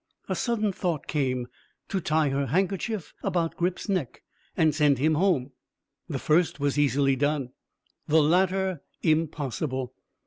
A sudden thought came to tie her handkerchief about Grip's neck, and send him home. The first was easily done, the latter impossible.